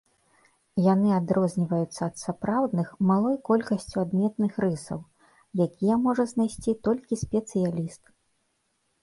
Яны адрозніваюцца ад сапраўдных малой колькасцю адметных рысаў, якія можа знайсці толькі спецыяліст.